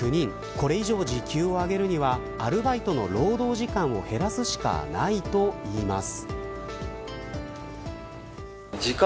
これ以上、時給を上げるにはアルバイトの労働時間を減らすしかないといいます。